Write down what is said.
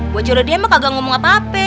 bu hajar rodia mah kagak ngomong apa apa